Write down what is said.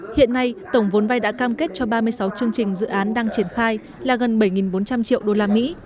hiện nay tổng vốn vai đã cam kết cho ba mươi sáu chương trình dự án đang triển khai là gần bảy bốn trăm linh triệu usd